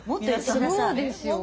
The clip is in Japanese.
そうですよ